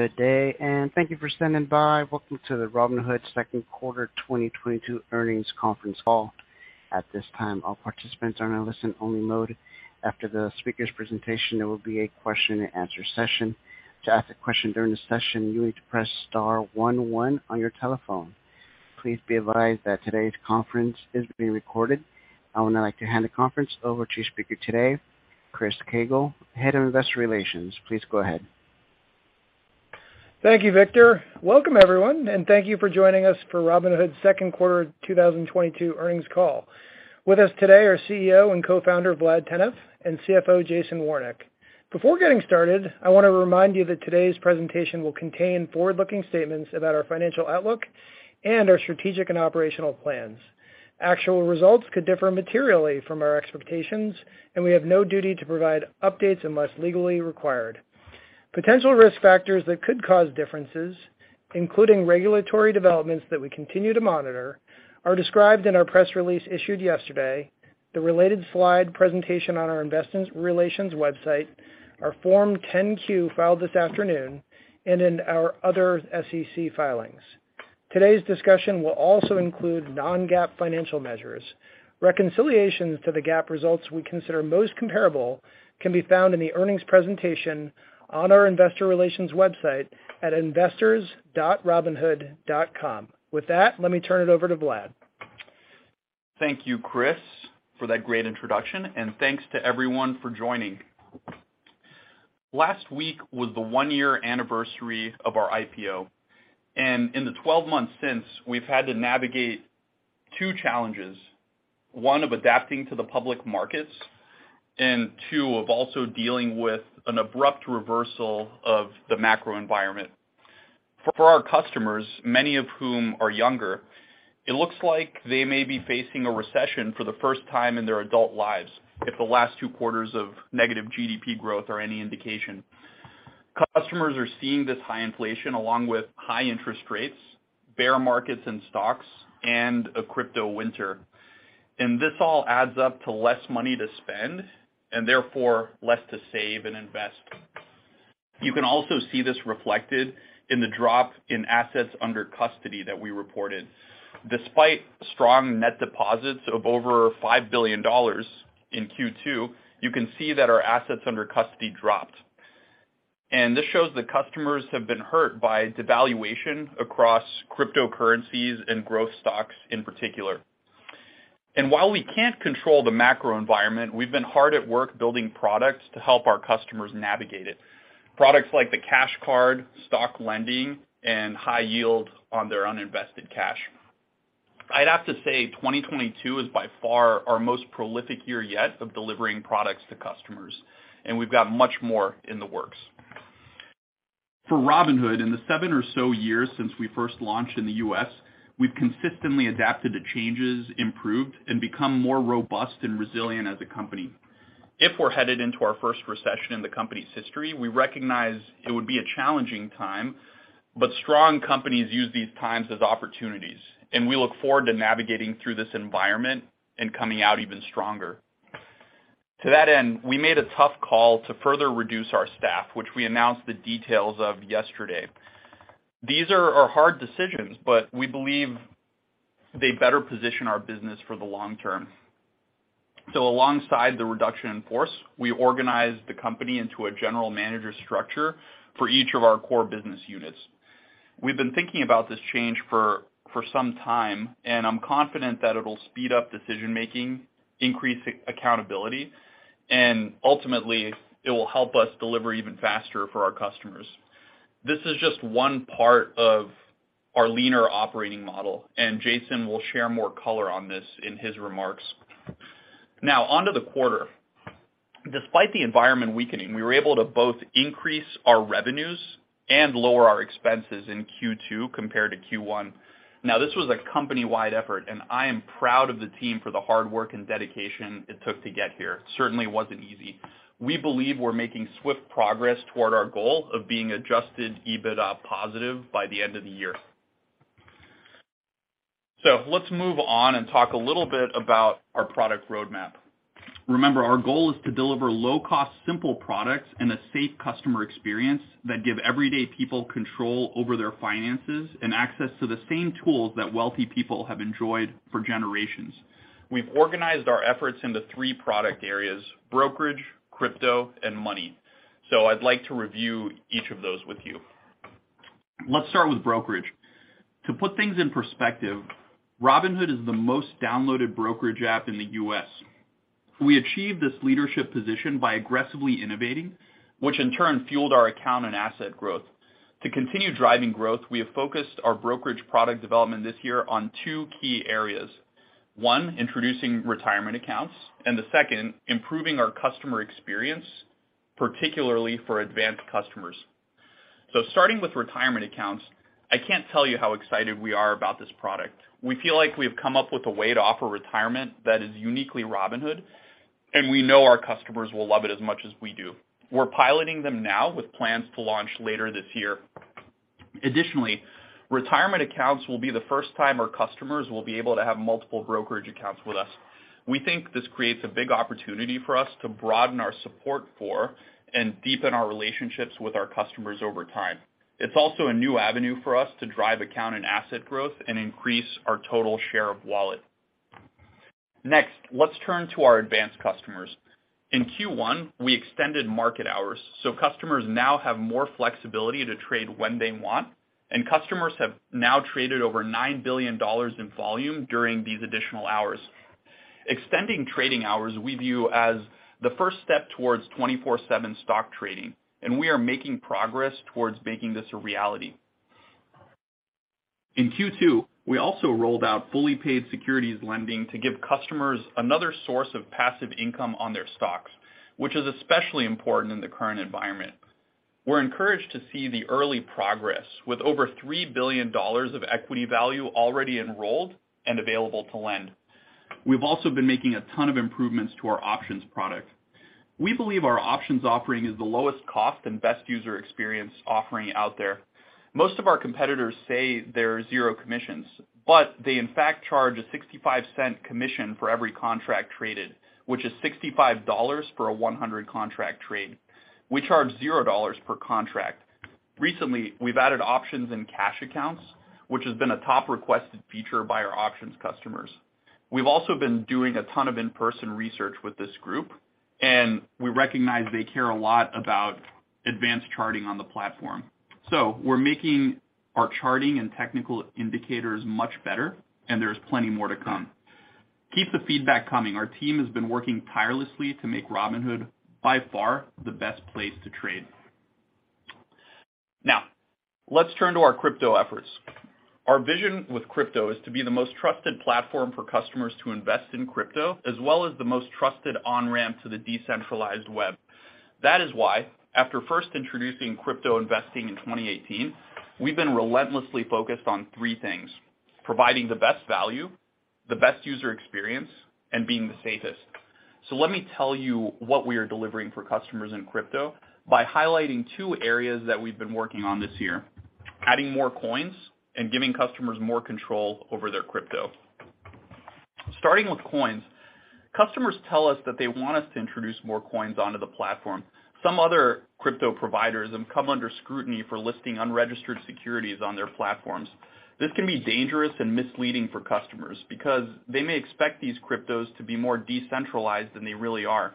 Good day, and thank you for standing by. Welcome to the Robinhood second quarter 2022 earnings conference call. At this time, all participants are in a listen only mode. After the speaker's presentation, there will be a question-and-answer session. To ask a question during the session, you need to press star one one on your telephone. Please be advised that today's conference is being recorded. I would now like to hand the conference over to speaker today, Chris Koegel, Head of Investor Relations. Please go ahead. Thank you, Victor. Welcome, everyone, and thank you for joining us for Robinhood's second quarter 2022 earnings call. With us today are CEO and Co-Founder, Vlad Tenev, and CFO, Jason Warnick. Before getting started, I wanna remind you that today's presentation will contain forward-looking statements about our financial outlook and our strategic and operational plans. Actual results could differ materially from our expectations, and we have no duty to provide updates unless legally required. Potential risk factors that could cause differences, including regulatory developments that we continue to monitor, are described in our press release issued yesterday, the related slide presentation on our investor relations website, our Form 10-Q filed this afternoon, and in our other SEC filings. Today's discussion will also include non-GAAP financial measures. Reconciliations to the GAAP results we consider most comparable can be found in the earnings presentation on our investor relations website at investors.robinhood.com. With that, let me turn it over to Vlad. Thank you, Chris, for that great introduction, and thanks to everyone for joining. Last week was the one-year anniversary of our IPO. In the 12 months since, we've had to navigate two challenges. One, of adapting to the public markets, and two, of also dealing with an abrupt reversal of the macro environment. For our customers, many of whom are younger, it looks like they may be facing a recession for the first time in their adult lives if the last two quarters of negative GDP growth are any indication. Customers are seeing this high inflation along with high interest rates, bear markets in stocks, and a crypto winter. This all adds up to less money to spend, and therefore less to save and invest. You can also see this reflected in the drop in assets under custody that we reported. Despite strong net deposits of over $5 billion in Q2, you can see that our assets under custody dropped. This shows that customers have been hurt by devaluation across cryptocurrencies and growth stocks in particular. While we can't control the macro environment, we've been hard at work building products to help our customers navigate it. Products like the Cash Card, stock lending, and high yield on their uninvested cash. I'd have to say 2022 is by far our most prolific year yet of delivering products to customers, and we've got much more in the works. For Robinhood, in the seven years or so years since we first launched in the U.S., we've consistently adapted to changes, improved, and become more robust and resilient as a company. If we're headed into our first recession in the company's history, we recognize it would be a challenging time, but strong companies use these times as opportunities, and we look forward to navigating through this environment and coming out even stronger. To that end, we made a tough call to further reduce our staff, which we announced the details of yesterday. These are hard decisions, but we believe they better position our business for the long term. Alongside the reduction in force, we organized the company into a general manager structure for each of our core business units. We've been thinking about this change for some time, and I'm confident that it'll speed up decision-making, increase accountability, and ultimately it will help us deliver even faster for our customers. This is just one part of our leaner operating model, and Jason will share more color on this in his remarks. Now onto the quarter. Despite the environment weakening, we were able to both increase our revenues and lower our expenses in Q2 compared to Q1. Now this was a company-wide effort, and I am proud of the team for the hard work and dedication it took to get here. Certainly wasn't easy. We believe we're making swift progress toward our goal of being adjusted EBITDA positive by the end of the year. Let's move on and talk a little bit about our product roadmap. Remember, our goal is to deliver low-cost, simple products and a safe customer experience that give everyday people control over their finances and access to the same tools that wealthy people have enjoyed for generations. We've organized our efforts into three product areas, brokerage, crypto, and money. I'd like to review each of those with you. Let's start with brokerage. To put things in perspective, Robinhood is the most downloaded brokerage app in the U.S. We achieved this leadership position by aggressively innovating, which in turn fueled our account and asset growth. To continue driving growth, we have focused our brokerage product development this year on two key areas. One, introducing retirement accounts, and the second, improving our customer experience, particularly for advanced customers. Starting with retirement accounts, I can't tell you how excited we are about this product. We feel like we've come up with a way to offer retirement that is uniquely Robinhood, and we know our customers will love it as much as we do. We're piloting them now with plans to launch later this year. Additionally, retirement accounts will be the first time our customers will be able to have multiple brokerage accounts with us. We think this creates a big opportunity for us to broaden our support for and deepen our relationships with our customers over time. It's also a new avenue for us to drive account and asset growth and increase our total share of wallet. Next, let's turn to our advanced customers. In Q1, we extended market hours, so customers now have more flexibility to trade when they want, and customers have now traded over $9 billion in volume during these additional hours. Extending trading hours we view as the first step towards 24/7 stock trading, and we are making progress towards making this a reality. In Q2, we also rolled out fully paid securities lending to give customers another source of passive income on their stocks, which is especially important in the current environment. We're encouraged to see the early progress with over $3 billion of equity value already enrolled and available to lend. We've also been making a ton of improvements to our options product. We believe our options offering is the lowest cost and best user experience offering out there. Most of our competitors say they're zero commissions, but they in fact charge a $0.65 commission for every contract traded, which is $65 for a 100-contract trade. We charge $0 per contract. Recently, we've added options and cash accounts, which has been a top requested feature by our options customers. We've also been doing a ton of in-person research with this group, and we recognize they care a lot about advanced charting on the platform. We're making our charting and technical indicators much better, and there's plenty more to come. Keep the feedback coming. Our team has been working tirelessly to make Robinhood by far the best place to trade. Now, let's turn to our crypto efforts. Our vision with crypto is to be the most trusted platform for customers to invest in crypto, as well as the most trusted on-ramp to the decentralized web. That is why, after first introducing crypto investing in 2018, we've been relentlessly focused on three things. Providing the best value, the best user experience, and being the safest. Let me tell you what we are delivering for customers in crypto by highlighting two areas that we've been working on this year, adding more coins and giving customers more control over their crypto. Starting with coins, customers tell us that they want us to introduce more coins onto the platform. Some other crypto providers have come under scrutiny for listing unregistered securities on their platforms. This can be dangerous and misleading for customers because they may expect these cryptos to be more decentralized than they really are.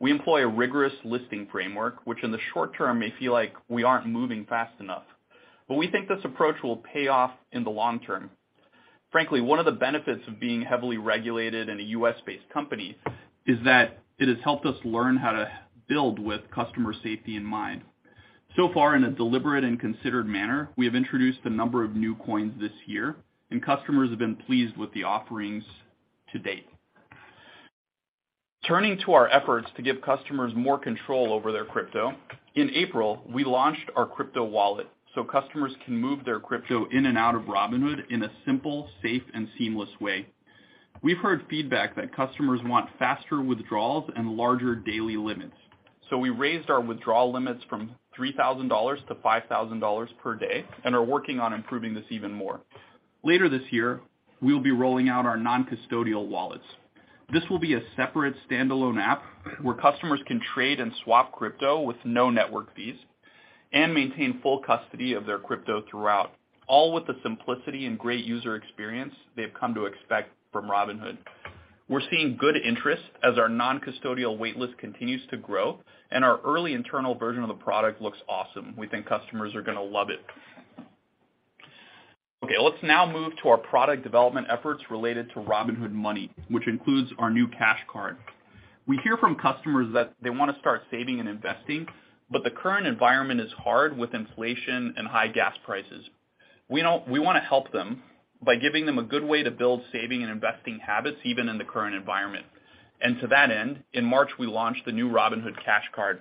We employ a rigorous listing framework, which in the short term may feel like we aren't moving fast enough. We think this approach will pay off in the long term. Frankly, one of the benefits of being heavily regulated in a U.S.-based company is that it has helped us learn how to build with customer safety in mind. So far, in a deliberate and considered manner, we have introduced a number of new coins this year, and customers have been pleased with the offerings to date. Turning to our efforts to give customers more control over their crypto, in April, we launched our crypto wallet so customers can move their crypto in and out of Robinhood in a simple, safe, and seamless way. We've heard feedback that customers want faster withdrawals and larger daily limits. We raised our withdrawal limits from $3,000 to $5,000 per day and are working on improving this even more. Later this year, we will be rolling out our non-custodial wallets. This will be a separate standalone app where customers can trade and swap crypto with no network fees and maintain full custody of their crypto throughout, all with the simplicity and great user experience they've come to expect from Robinhood. We're seeing good interest as our non-custodial wait list continues to grow, and our early internal version of the product looks awesome. We think customers are gonna love it. Okay, let's now move to our product development efforts related to Robinhood Money, which includes our new Cash Card. We hear from customers that they wanna start saving and investing, but the current environment is hard with inflation and high gas prices. We wanna help them by giving them a good way to build saving and investing habits even in the current environment. To that end, in March, we launched the new Robinhood Cash Card.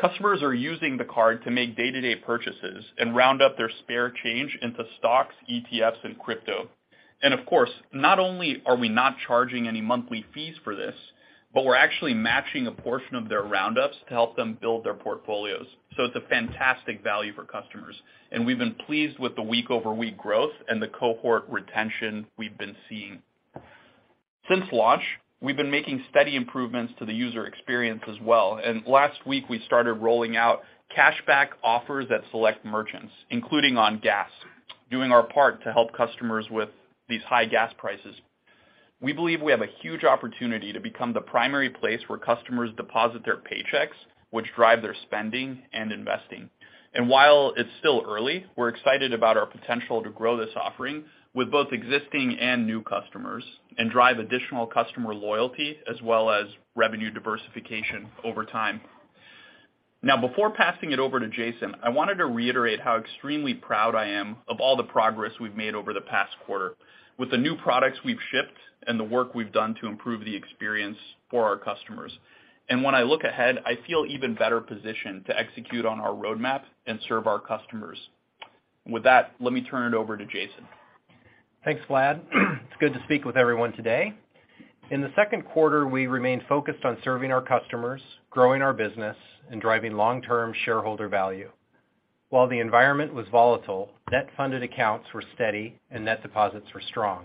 Customers are using the card to make day-to-day purchases and round up their spare change into stocks, ETFs, and crypto. Of course, not only are we not charging any monthly fees for this, but we're actually matching a portion of their roundups to help them build their portfolios. It's a fantastic value for customers, and we've been pleased with the week-over-week growth and the cohort retention we've been seeing. Since launch, we've been making steady improvements to the user experience as well. Last week, we started rolling out cashback offers at select merchants, including on gas, doing our part to help customers with these high gas prices. We believe we have a huge opportunity to become the primary place where customers deposit their paychecks, which drive their spending and investing. While it's still early, we're excited about our potential to grow this offering with both existing and new customers and drive additional customer loyalty as well as revenue diversification over time. Now, before passing it over to Jason, I wanted to reiterate how extremely proud I am of all the progress we've made over the past quarter with the new products we've shipped and the work we've done to improve the experience for our customers. When I look ahead, I feel even better positioned to execute on our roadmap and serve our customers. With that, let me turn it over to Jason. Thanks, Vlad. It's good to speak with everyone today. In the second quarter, we remained focused on serving our customers, growing our business, and driving long-term shareholder value. While the environment was volatile, net funded accounts were steady and net deposits were strong.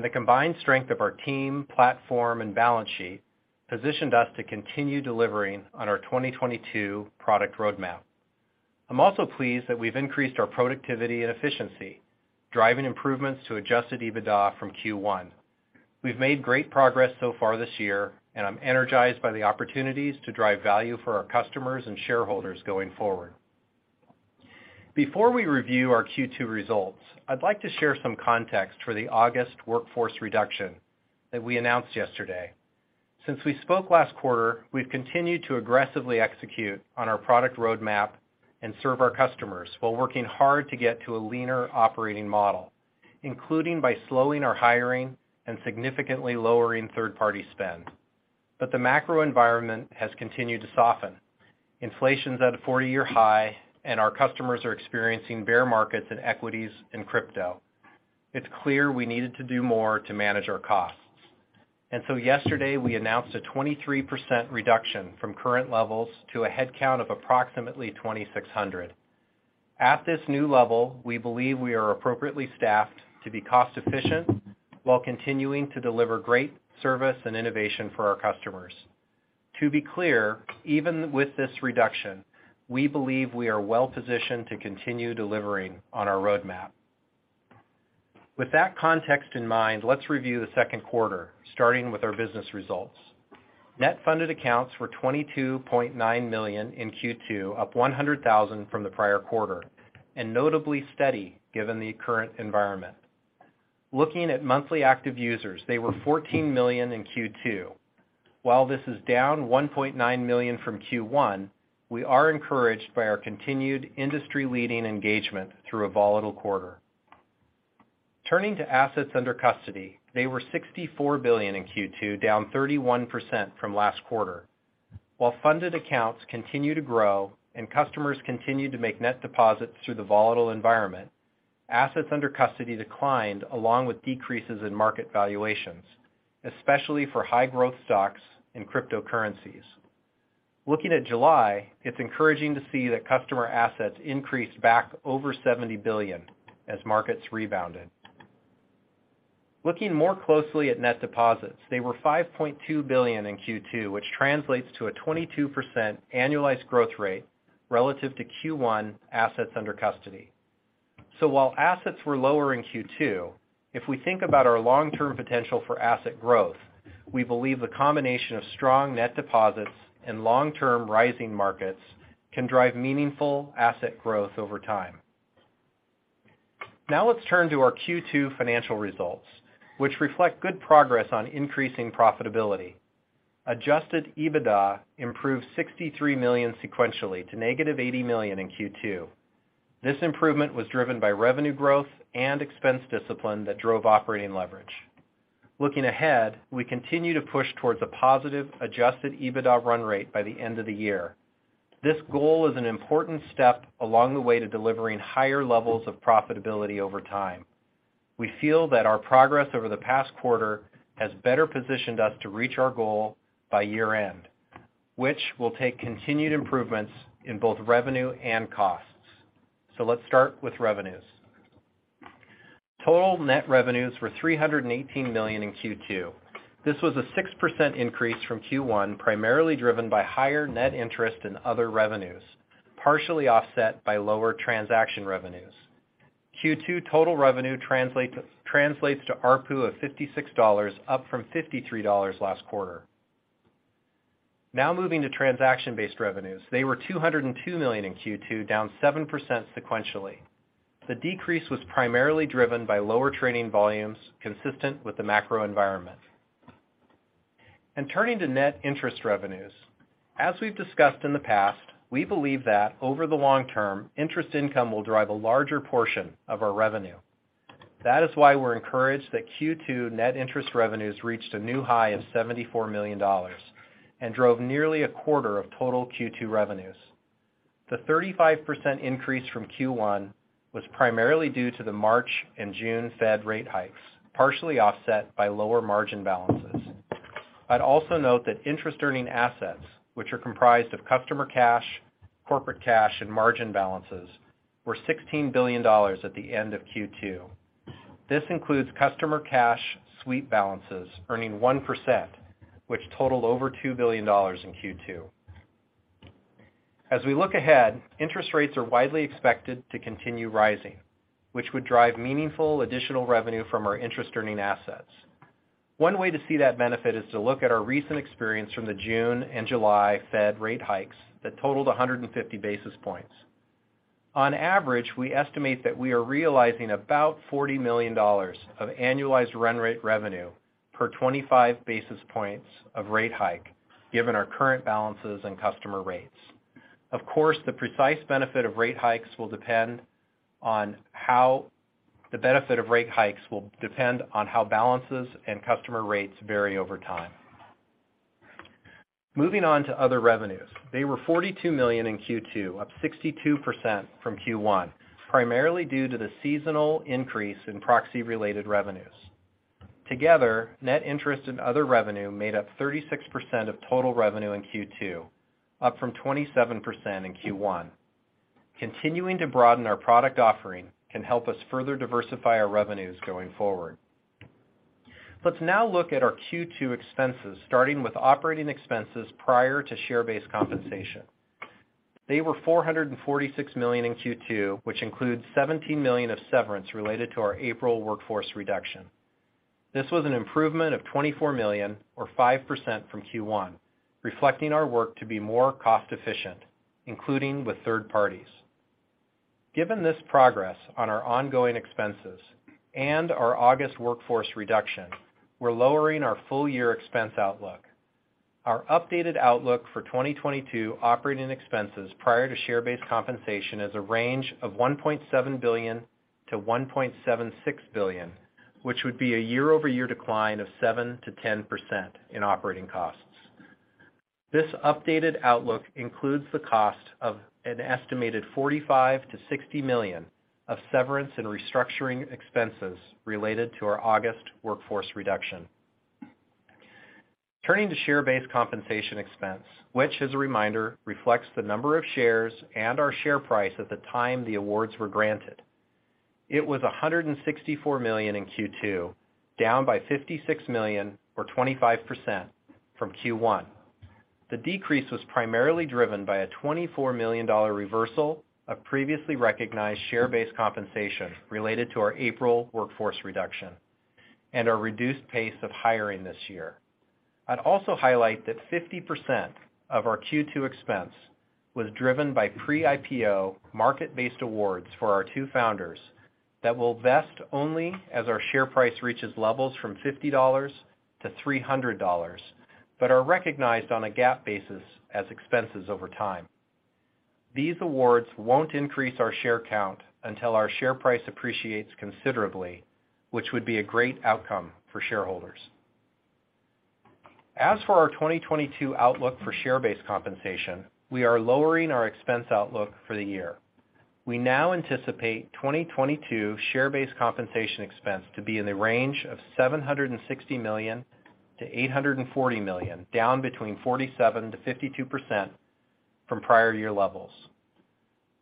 The combined strength of our team, platform, and balance sheet positioned us to continue delivering on our 2022 product roadmap. I'm also pleased that we've increased our productivity and efficiency, driving improvements to adjusted EBITDA from Q1. We've made great progress so far this year, and I'm energized by the opportunities to drive value for our customers and shareholders going forward. Before we review our Q2 results, I'd like to share some context for the August workforce reduction that we announced yesterday. Since we spoke last quarter, we've continued to aggressively execute on our product roadmap and serve our customers while working hard to get to a leaner operating model, including by slowing our hiring and significantly lowering third-party spend. The macro environment has continued to soften. Inflation's at a 40-year high, and our customers are experiencing bear markets in equities and crypto. It's clear we needed to do more to manage our costs. Yesterday, we announced a 23% reduction from current levels to a headcount of approximately 2,600. At this new level, we believe we are appropriately staffed to be cost-efficient while continuing to deliver great service and innovation for our customers. To be clear, even with this reduction, we believe we are well-positioned to continue delivering on our roadmap. With that context in mind, let's review the second quarter, starting with our business results. Net funded accounts were 22.9 million in Q2, up 100,000 from the prior quarter, and notably steady given the current environment. Looking at monthly active users, they were 14 million in Q2. While this is down 1.9 million from Q1, we are encouraged by our continued industry-leading engagement through a volatile quarter. Turning to assets under custody, they were $64 billion in Q2, down 31% from last quarter. While funded accounts continue to grow and customers continue to make net deposits through the volatile environment, assets under custody declined along with decreases in market valuations, especially for high-growth stocks and cryptocurrencies. Looking at July, it's encouraging to see that customer assets increased back over $70 billion as markets rebounded. Looking more closely at net deposits, they were $5.2 billion in Q2, which translates to a 22% annualized growth rate relative to Q1 assets under custody. While assets were lower in Q2, if we think about our long-term potential for asset growth, we believe the combination of strong net deposits and long-term rising markets can drive meaningful asset growth over time. Now let's turn to our Q2 financial results, which reflect good progress on increasing profitability. Adjusted EBITDA improved $63 million sequentially to negative $80 million in Q2. This improvement was driven by revenue growth and expense discipline that drove operating leverage. Looking ahead, we continue to push towards a positive adjusted EBITDA run rate by the end of the year. This goal is an important step along the way to delivering higher levels of profitability over time. We feel that our progress over the past quarter has better positioned us to reach our goal by year-end, which will take continued improvements in both revenue and costs. Let's start with revenues. Total net revenues were $318 million in Q2. This was a 6% increase from Q1, primarily driven by higher net interest and other revenues, partially offset by lower transaction revenues. Q2 total revenue translates to ARPU of $56, up from $53 last quarter. Now moving to transaction-based revenues. They were $202 million in Q2, down 7% sequentially. The decrease was primarily driven by lower trading volumes consistent with the macro environment. Turning to net interest revenues. As we've discussed in the past, we believe that over the long term, interest income will drive a larger portion of our revenue. That is why we're encouraged that Q2 net interest revenues reached a new high of $74 million and drove nearly 1/4 of total Q2 revenues. The 35% increase from Q1 was primarily due to the March and June Fed rate hikes, partially offset by lower margin balances. I'd also note that interest earning assets, which are comprised of customer cash, corporate cash, and margin balances, were $16 billion at the end of Q2. This includes customer cash sweep balances earning 1%, which totaled over $2 billion in Q2. As we look ahead, interest rates are widely expected to continue rising, which would drive meaningful additional revenue from our interest earning assets. One way to see that benefit is to look at our recent experience from the June and July Fed rate hikes that totaled 150 basis points. On average, we estimate that we are realizing about $40 million of annualized run rate revenue per 25 basis points of rate hike, given our current balances and customer rates. Of course, the precise benefit of rate hikes will depend on how balances and customer rates vary over time. Moving on to other revenues. They were $42 million in Q2, up 62% from Q1, primarily due to the seasonal increase in proxy-related revenues. Together, net interest and other revenue made up 36% of total revenue in Q2, up from 27% in Q1. Continuing to broaden our product offering can help us further diversify our revenues going forward. Let's now look at our Q2 expenses, starting with operating expenses prior to share-based compensation. They were $446 million in Q2, which includes $17 million of severance related to our April workforce reduction. This was an improvement of $24 million or 5% from Q1, reflecting our work to be more cost-efficient, including with third parties. Given this progress on our ongoing expenses and our August workforce reduction, we're lowering our full-year expense outlook. Our updated outlook for 2022 operating expenses prior to share-based compensation is a range of $1.7 billion-$1.76 billion, which would be a year-over-year decline of 7%-10% in operating costs. This updated outlook includes the cost of an estimated $45 million-$60 million of severance and restructuring expenses related to our August workforce reduction. Turning to share-based compensation expense, which, as a reminder, reflects the number of shares and our share price at the time the awards were granted. It was $164 million in Q2, down by $56 million or 25% from Q1. The decrease was primarily driven by a $24 million dollar reversal of previously recognized share-based compensation related to our April workforce reduction and our reduced pace of hiring this year. I'd also highlight that 50% of our Q2 expense was driven by pre-IPO market-based awards for our two founders that will vest only as our share price reaches levels from $50 to $300, but are recognized on a GAAP basis as expenses over time. These awards won't increase our share count until our share price appreciates considerably, which would be a great outcome for shareholders. As for our 2022 outlook for share-based compensation, we are lowering our expense outlook for the year. We now anticipate 2022 share-based compensation expense to be in the range of $760 million-$840 million, down 47%-52% from prior year levels.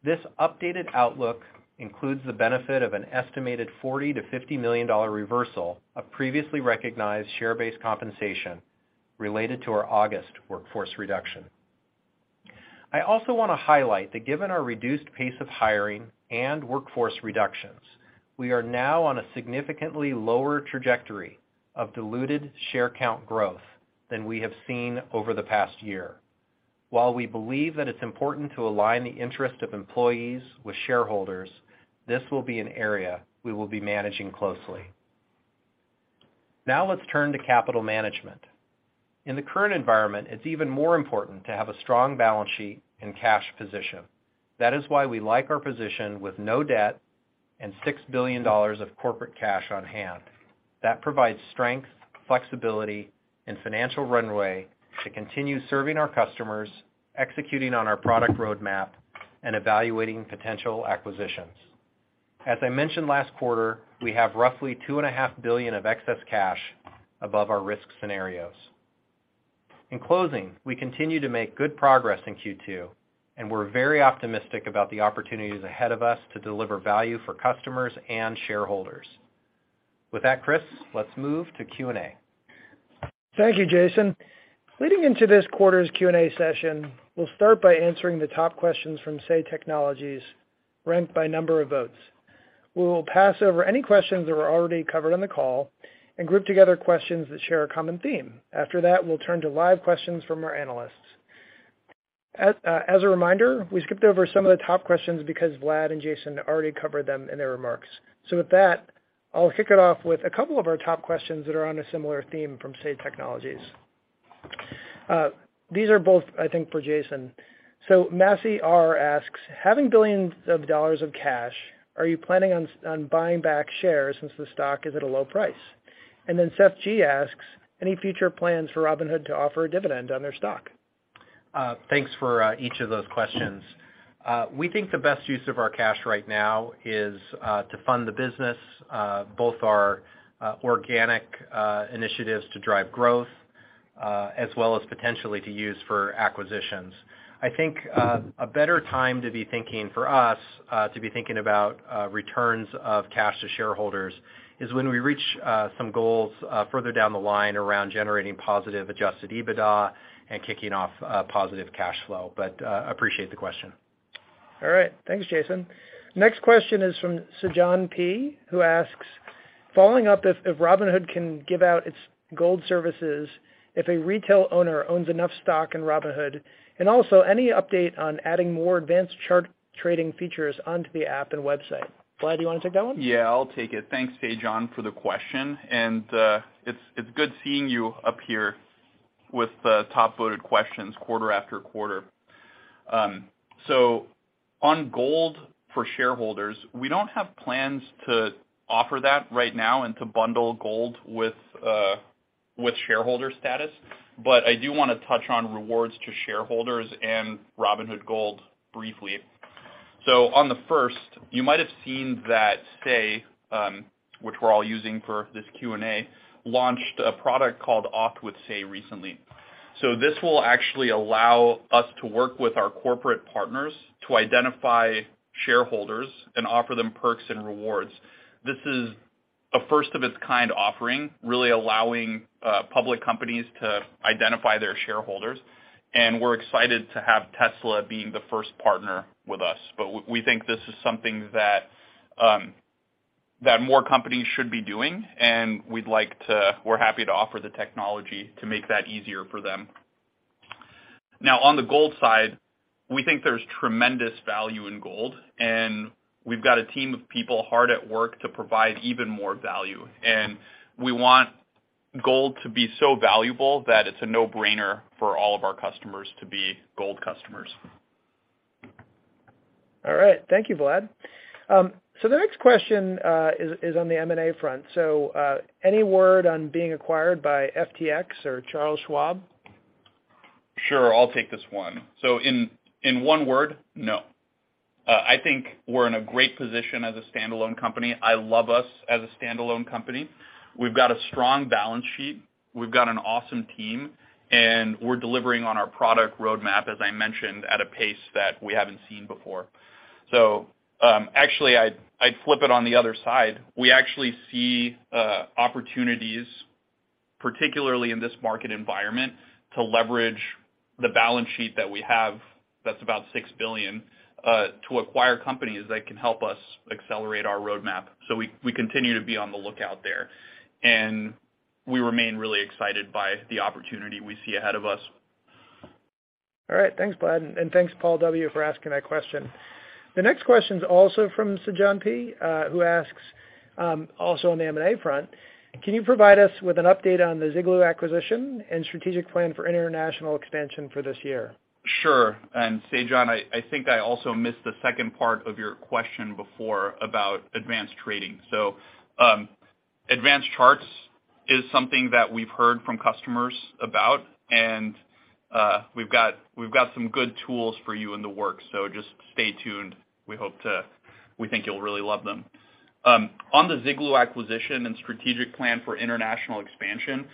This updated outlook includes the benefit of an estimated $40 million-$50 million reversal of previously recognized share-based compensation related to our August workforce reduction. I also want to highlight that given our reduced pace of hiring and workforce reductions, we are now on a significantly lower trajectory of diluted share count growth than we have seen over the past year. While we believe that it's important to align the interest of employees with shareholders, this will be an area we will be managing closely. Now let's turn to capital management. In the current environment, it's even more important to have a strong balance sheet and cash position. That is why we like our position with no debt and $6 billion of corporate cash on hand. That provides strength, flexibility, and financial runway to continue serving our customers, executing on our product roadmap, and evaluating potential acquisitions. As I mentioned last quarter, we have roughly $2.5 billion of excess cash above our risk scenarios. In closing, we continue to make good progress in Q2, and we're very optimistic about the opportunities ahead of us to deliver value for customers and shareholders. With that, Chris, let's move to Q&A. Thank you, Jason. Leading into this quarter's Q&A session, we'll start by answering the top questions from Say Technologies ranked by number of votes. We will pass over any questions that were already covered on the call and group together questions that share a common theme. After that, we'll turn to live questions from our analysts. As a reminder, we skipped over some of the top questions because Vlad and Jason already covered them in their remarks. With that, I'll kick it off with a couple of our top questions that are on a similar theme from Say Technologies. These are both, I think, for Jason. Masih R. asks, "Having billions of dollars of cash, are you planning on buying back shares since the stock is at a low price?" And then Seth G. asks, "Any future plans for Robinhood to offer a dividend on their stock?" Thanks for each of those questions. We think the best use of our cash right now is to fund the business, both our organic initiatives to drive growth, as well as potentially to use for acquisitions. I think a better time to be thinking about returns of cash to shareholders is when we reach some goals further down the line around generating positive adjusted EBITDA and kicking off positive cash flow. Appreciate the question. All right. Thanks, Jason. Next question is from Saajan P., who asks, "Following up if Robinhood can give out its Gold services if a retail owner owns enough stock in Robinhood, and also any update on adding more advanced chart trading features onto the app and website." Vlad, do you wanna take that one? Yeah, I'll take it. Thanks, Saajan, for the question, and it's good seeing you up here with the top voted questions quarter after quarter. On Gold for shareholders, we don't have plans to offer that right now and to bundle Gold with shareholder status. I do wanna touch on rewards to shareholders and Robinhood Gold briefly. On the first, you might have seen that Say, which we're all using for this Q&A, launched a product called Auth with Say recently. This will actually allow us to work with our corporate partners to identify shareholders and offer them perks and rewards. This is a first-of-its-kind offering, really allowing public companies to identify their shareholders, and we're excited to have Tesla being the first partner with us. We think this is something that more companies should be doing, and we're happy to offer the technology to make that easier for them. Now, on the Gold side, we think there's tremendous value in Gold, and we've got a team of people hard at work to provide even more value. We want Gold to be so valuable that it's a no-brainer for all of our customers to be Gold customers. All right. Thank you, Vlad. The next question is on the M&A front. Any word on being acquired by FTX or Charles Schwab? Sure. I'll take this one. In one word, no. I think we're in a great position as a standalone company. I love us as a standalone company. We've got a strong balance sheet. We've got an awesome team, and we're delivering on our product roadmap, as I mentioned, at a pace that we haven't seen before. Actually, I'd flip it on the other side. We actually see opportunities, particularly in this market environment, to leverage the balance sheet that we have, that's about $6 billion, to acquire companies that can help us accelerate our roadmap. We continue to be on the lookout there. We remain really excited by the opportunity we see ahead of us. All right. Thanks, Vlad, and thanks Paul W. for asking that question. The next question is also from Saajan P., who asks, also on the M&A front, "Can you provide us with an update on the Ziglu acquisition and strategic plan for international expansion for this year? Sure. Saajan, I think I also missed the second part of your question before about advanced trading. Advanced charts is something that we've heard from customers about, and we've got some good tools for you in the works, so just stay tuned. We think you'll really love them. On the Ziglu acquisition and strategic plan for international expansion,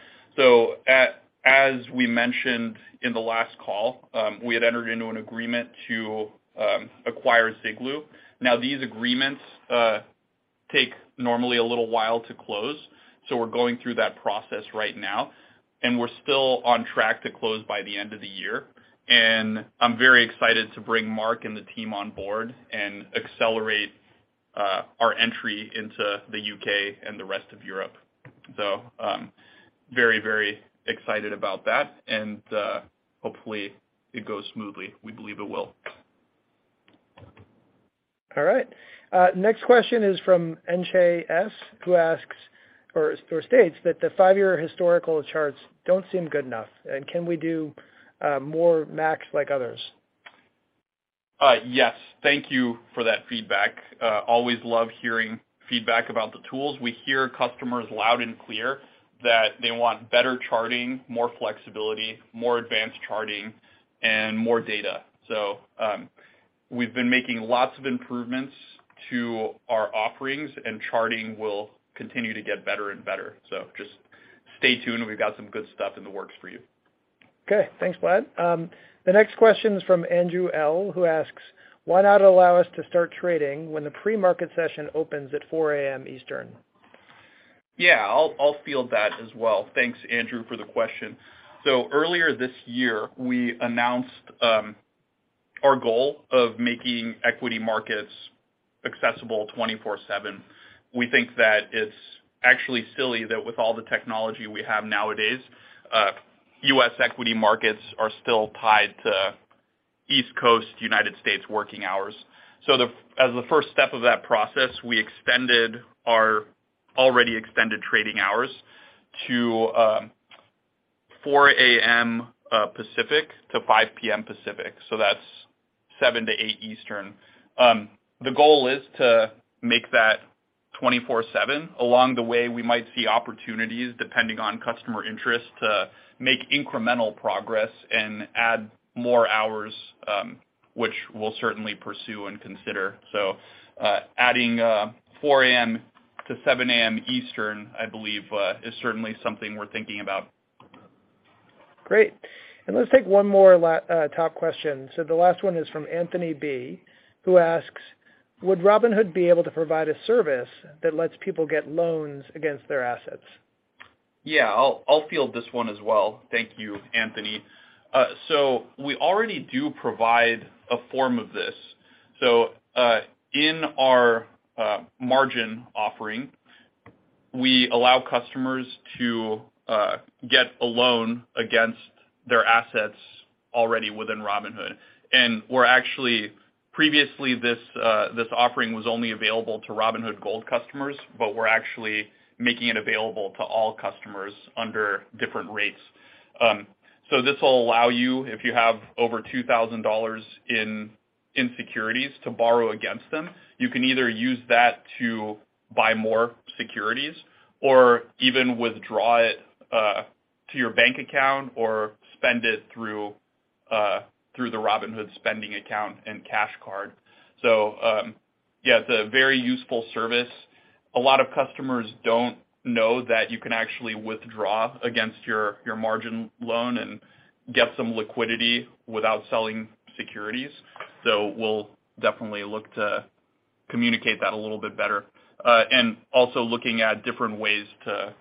as we mentioned in the last call, we had entered into an agreement to acquire Ziglu. Now, these agreements take normally a little while to close, so we're going through that process right now, and we're still on track to close by the end of the year. I'm very excited to bring Mark and the team on board and accelerate our entry into the U.K. and the rest of Europe. Very, very excited about that, and, hopefully, it goes smoothly. We believe it will. All right. Next question is from En Che S., who asks or states that the five-year historical charts don't seem good enough, and can we do more max like others? Yes. Thank you for that feedback. Always love hearing feedback about the tools. We hear customers loud and clear that they want better charting, more flexibility, more advanced charting, and more data. We've been making lots of improvements to our offerings, and charting will continue to get better and better. Just stay tuned. We've got some good stuff in the works for you. Okay. Thanks, Vlad. The next question is from Andrew L., who asks, "Why not allow us to start trading when the pre-market session opens at 4:00 A.M. Eastern? Yeah, I'll field that as well. Thanks, Andrew, for the question. Earlier this year, we announced our goal of making equity markets accessible 24/7. We think that it's actually silly that with all the technology we have nowadays, U.S. equity markets are still tied to East Coast United States working hours. As the first step of that process, we extended our already extended trading hours to 4:00 A.M. Pacific to 5:00 P.M. Pacific, so that's 7:00 A.M. to 8:00 A.M. Eastern. The goal is to make that 24/7. Along the way, we might see opportunities, depending on customer interest, to make incremental progress and add more hours, which we'll certainly pursue and consider. Adding 4:00 A.M. to 7:00 A.M. Eastern, I believe, is certainly something we're thinking about. Great. Let's take one more top question. The last one is from Anthony B., who asks, "Would Robinhood be able to provide a service that lets people get loans against their assets? Yeah. I'll field this one as well. Thank you, Anthony. We already do provide a form of this. In our margin offering, we allow customers to get a loan against their assets already within Robinhood. Previously, this offering was only available to Robinhood Gold customers, but we're actually making it available to all customers under different rates. This will allow you, if you have over $2,000 in securities to borrow against them, you can either use that to buy more securities or even withdraw it to your bank account or spend it through the Robinhood spending account and Cash Card. Yeah, it's a very useful service. A lot of customers don't know that you can actually withdraw against your margin loan and get some liquidity without selling securities. We'll definitely look to communicate that a little bit better. Also looking at different ways to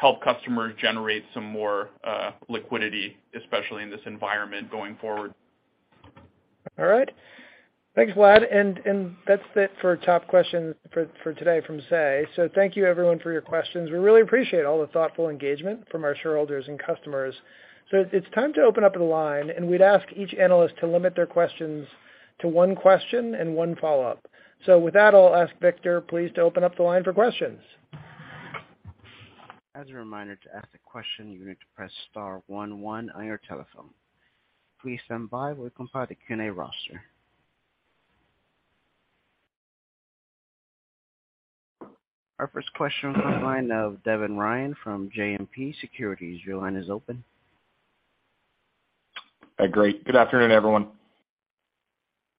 help customers generate some more liquidity, especially in this environment going forward. All right. Thanks, Vlad. That's it for top questions for today from Say. Thank you everyone for your questions. We really appreciate all the thoughtful engagement from our shareholders and customers. It's time to open up the line, and we'd ask each analyst to limit their questions to one question and one follow-up. With that, I'll ask Victor, please, to open up the line for questions. As a reminder, to ask a question, you need to press star one one on your telephone. Please stand by while we compile the Q&A roster. Our first question comes from the line of Devin Ryan from JMP Securities. Your line is open. Great. Good afternoon, everyone.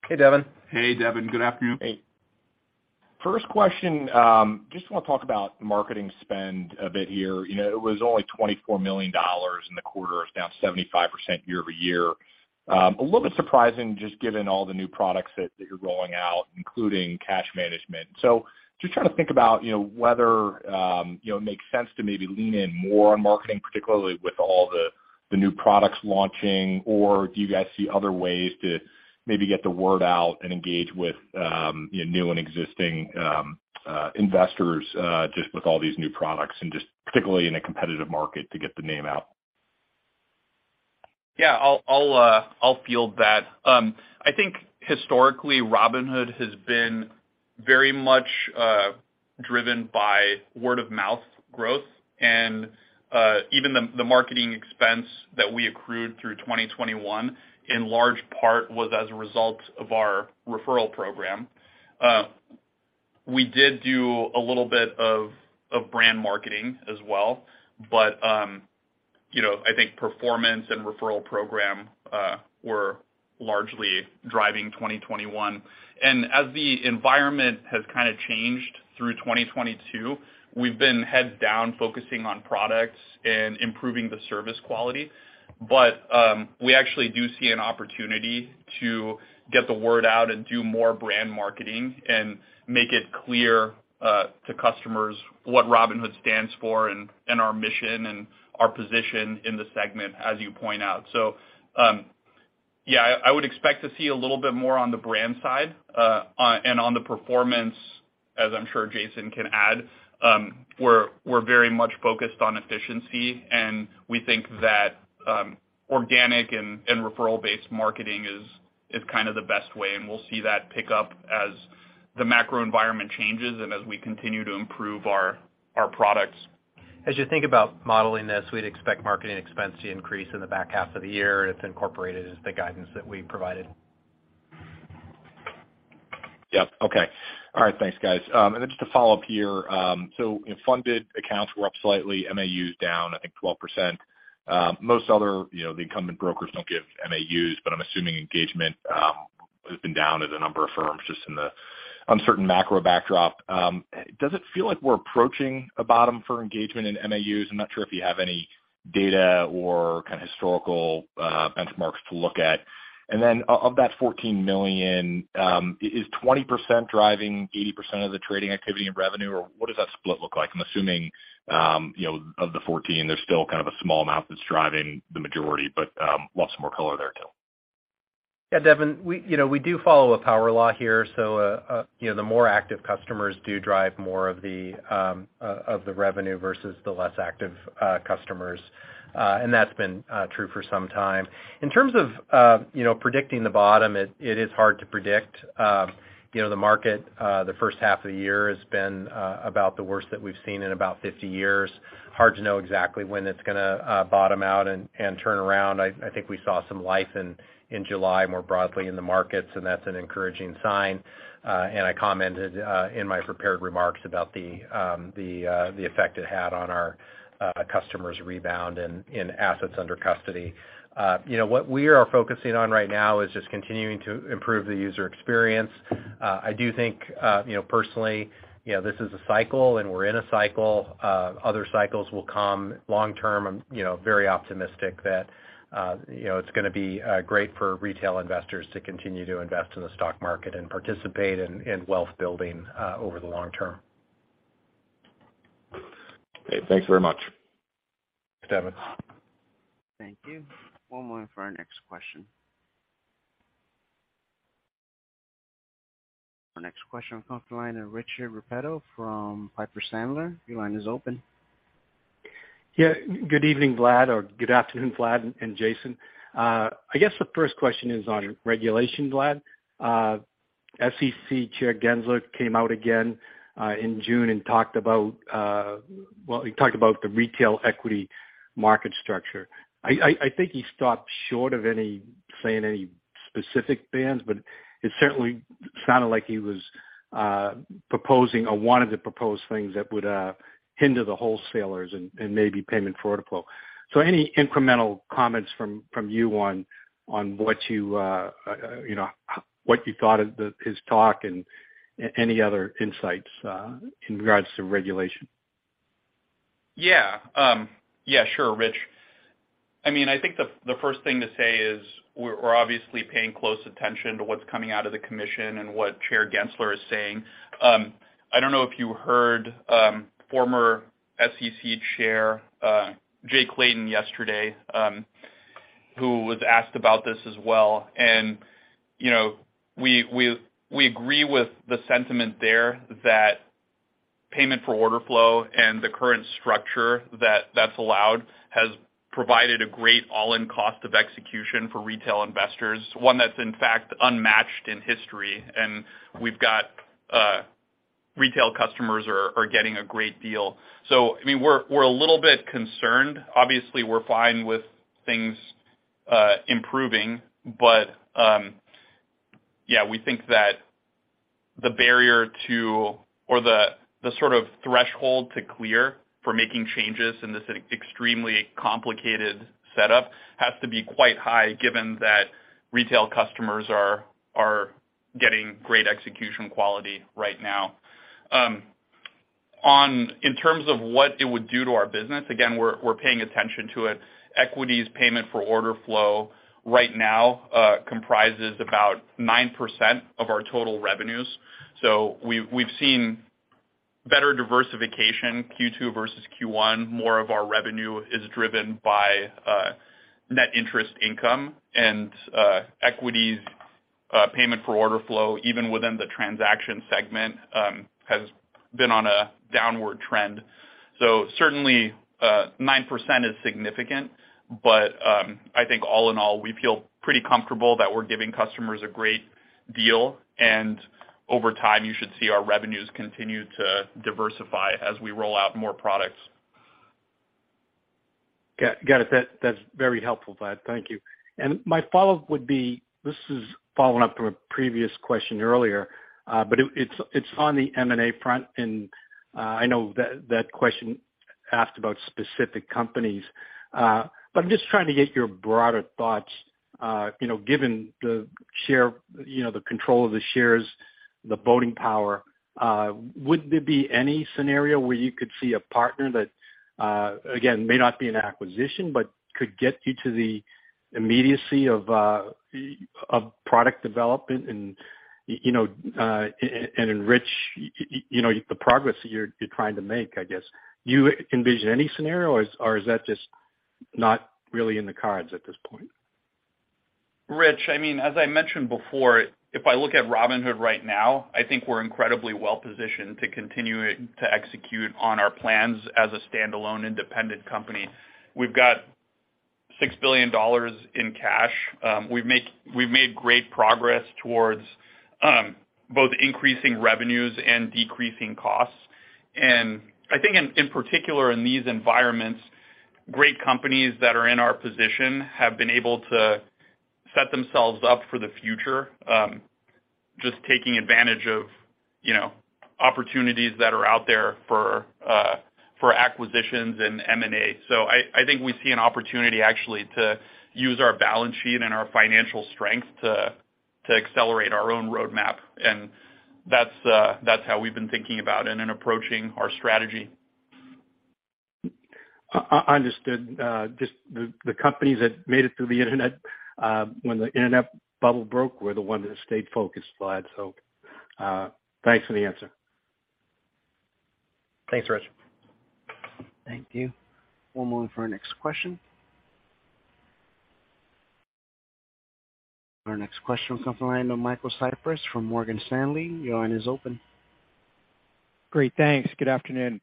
Hey, Devin. Hey, Devin, good afternoon. First question, just wanna talk about marketing spend a bit here. You know, it was only $24 million in the quarter. It's down 75% year-over-year. A little bit surprising just given all the new products that you're rolling out, including cash management. Just trying to think about, you know, whether, you know, it makes sense to maybe lean in more on marketing, particularly with all the new products launching, or do you guys see other ways to maybe get the word out and engage with new and existing investors just with all these new products, and just particularly in a competitive market to get the name out? Yeah, I'll field that. I think historically, Robinhood has been very much driven by word of mouth growth, and even the marketing expense that we accrued through 2021, in large part was as a result of our referral program. We did do a little bit of brand marketing as well, but you know, I think performance and referral program were largely driving 2021. As the environment has kinda changed through 2022, we've been heads down, focusing on products and improving the service quality. We actually do see an opportunity to get the word out and do more brand marketing and make it clear to customers what Robinhood stands for and our mission and our position in the segment, as you point out. Yeah, I would expect to see a little bit more on the brand side, and on the performance, as I'm sure Jason can add. We're very much focused on efficiency, and we think that organic and referral-based marketing is kind of the best way, and we'll see that pick up as the macro environment changes and as we continue to improve our products. As you think about modeling this, we'd expect marketing expense to increase in the back half of the year, and it's incorporated as the guidance that we provided. Yep. Okay. All right. Thanks, guys. Just a follow-up here. Funded accounts were up slightly, MAUs down, I think 12%. Most other, you know, the incumbent brokers don't give MAUs, but I'm assuming engagement has been down at a number of firms just in the uncertain macro backdrop. Does it feel like we're approaching a bottom for engagement in MAUs? I'm not sure if you have any data or kind of historical benchmarks to look at. Of that 14 million, is 20% driving 80% of the trading activity and revenue, or what does that split look like? I'm assuming, you know, of the 14 million, there's still kind of a small amount that's driving the majority, but lots more color there too. Yeah, Devin, we, you know, we do follow a power law here. You know, the more active customers do drive more of the revenue versus the less active customers. That's been true for some time. In terms of, you know, predicting the bottom, it is hard to predict. You know, the market, the first half of the year has been about the worst that we've seen in about 50 years. Hard to know exactly when it's gonna bottom out and turn around. I think we saw some life in July more broadly in the markets, and that's an encouraging sign. I commented in my prepared remarks about the effect it had on our customers' rebound in assets under custody. You know, what we are focusing on right now is just continuing to improve the user experience. I do think, you know, personally, you know, this is a cycle, and we're in a cycle. Other cycles will come long term. I'm, you know, very optimistic that, you know, it's gonna be great for retail investors to continue to invest in the stock market and participate in wealth building over the long term. Okay. Thanks very much. Thanks, Devin. Thank you. One more for our next question. Our next question comes from the line of Richard Repetto from Piper Sandler. Your line is open. Yeah. Good evening, Vlad, or good afternoon, Vlad and Jason. I guess the first question is on regulation, Vlad. SEC Chair Gensler came out again in June and talked about, well, he talked about the retail equity market structure. I think he stopped short of saying any specific bans, but it certainly sounded like he was proposing or wanted to propose things that would hinder the wholesalers and maybe payment for order flow. Any incremental comments from you on what you know, what you thought of his talk and any other insights in regards to regulation? Yeah. Yeah, sure, Rich. I mean, I think the first thing to say is we're obviously paying close attention to what's coming out of the commission and what Chair Gensler is saying. I don't know if you heard, former SEC Chair Jay Clayton yesterday, who was asked about this as well. You know, we agree with the sentiment there that payment for order flow and the current structure that's allowed has provided a great all-in cost of execution for retail investors, one that's in fact unmatched in history. We've got retail customers are getting a great deal. I mean, we're a little bit concerned. Obviously, we're fine with things improving. Yeah, we think that the barrier to, or the sort of threshold to clear for making changes in this extremely complicated setup has to be quite high given that retail customers are getting great execution quality right now. In terms of what it would do to our business, again, we're paying attention to it. Equities payment for order flow right now comprises about 9% of our total revenues. We've seen better diversification, Q2 versus Q1. More of our revenue is driven by net interest income. Equities payment for order flow, even within the transaction segment, has been on a downward trend. Certainly, 9% is significant. I think all in all, we feel pretty comfortable that we're giving customers a great deal. Over time, you should see our revenues continue to diversify as we roll out more products. Got it. That's very helpful, Vlad. Thank you. My follow-up would be, this is following up from a previous question earlier, but it's on the M&A front. I know that question asked about specific companies. But I'm just trying to get your broader thoughts, you know, given the share, you know, the control of the shares, the voting power, would there be any scenario where you could see a partner that, again, may not be an acquisition, but could get you to the immediacy of product development and, you know, and enrich, you know, the progress that you're trying to make, I guess? Do you envision any scenario, or is that just not really in the cards at this point? Rich, I mean, as I mentioned before, if I look at Robinhood right now, I think we're incredibly well positioned to continue to execute on our plans as a standalone independent company. We've got $6 billion in cash. We've made great progress towards both increasing revenues and decreasing costs. I think in particular in these environments, great companies that are in our position have been able to set themselves up for the future, just taking advantage of, you know, opportunities that are out there for acquisitions and M&A. I think we see an opportunity actually to use our balance sheet and our financial strength to accelerate our own roadmap. That's how we've been thinking about it and approaching our strategy. Understood. Just the companies that made it through the internet, when the internet bubble broke were the ones that stayed focused, Vlad. Thanks for the answer. Thanks, Rich. Thank you. One moment for our next question. Our next question comes from the line of Michael Cyprys from Morgan Stanley. Your line is open. Great. Thanks. Good afternoon.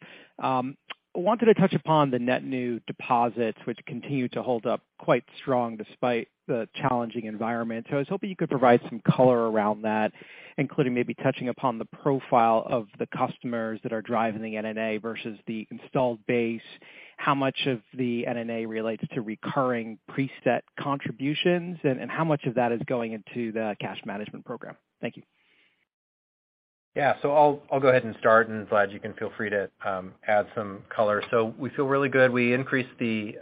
I wanted to touch upon the net new deposits, which continue to hold up quite strong despite the challenging environment. I was hoping you could provide some color around that, including maybe touching upon the profile of the customers that are driving the NNA versus the installed base. How much of the NNA relates to recurring preset contributions, and how much of that is going into the cash management program? Thank you. Yeah. I'll go ahead and start, and Vlad, you can feel free to add some color. We feel really good. We increased the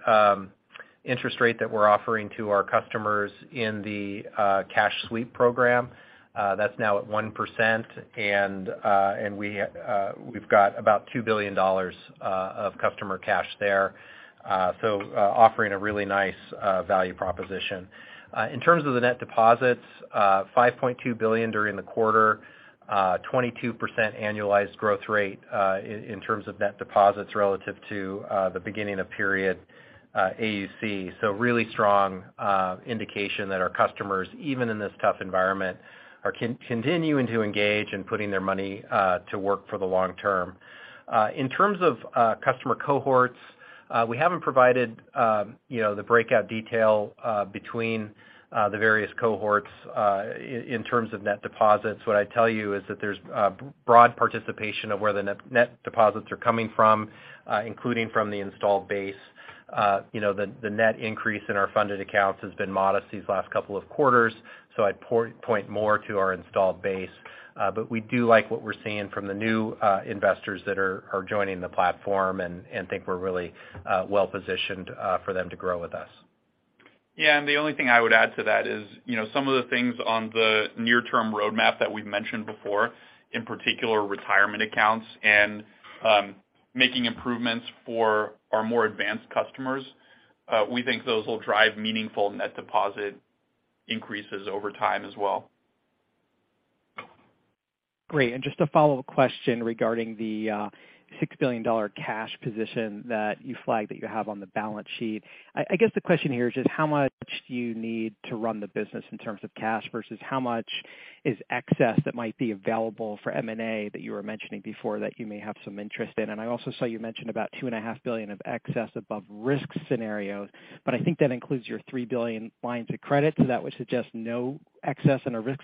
interest rate that we're offering to our customers in the cash sweep program. That's now at 1%, and we've got about $2 billion of customer cash there. Offering a really nice value proposition. In terms of the net deposits, $5.2 billion during the quarter, 22% annualized growth rate, in terms of net deposits relative to the beginning of period AUC. Really strong indication that our customers, even in this tough environment, are continuing to engage in putting their money to work for the long term. In terms of customer cohorts, we haven't provided, you know, the breakout detail between the various cohorts in terms of net deposits. What I'd tell you is that there's broad participation of where the net deposits are coming from, including from the installed base. You know, the net increase in our funded accounts has been modest these last couple of quarters, so I'd point more to our installed base. We do like what we're seeing from the new investors that are joining the platform and think we're really well positioned for them to grow with us. Yeah, the only thing I would add to that is, you know, some of the things on the near-term roadmap that we've mentioned before, in particular retirement accounts and making improvements for our more advanced customers, we think those will drive meaningful net deposit increases over time as well. Great. Just a follow-up question regarding the $6 billion cash position that you flagged that you have on the balance sheet. I guess the question here is just how much do you need to run the business in terms of cash versus how much is excess that might be available for M&A that you were mentioning before that you may have some interest in? I also saw you mentioned about $2.5 billion of excess above risk scenario, but I think that includes your $3 billion lines of credit, so that would suggest no excess in a risk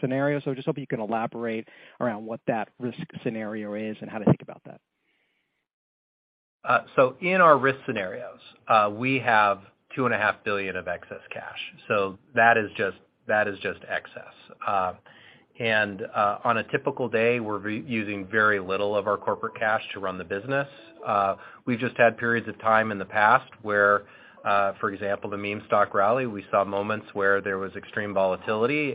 scenario. I just hope you can elaborate around what that risk scenario is and how to think about that. In our risk scenarios, we have $2.5 billion of excess cash. That is just excess. On a typical day, we're re-using very little of our corporate cash to run the business. We've just had periods of time in the past where, for example, the meme stock rally, we saw moments where there was extreme volatility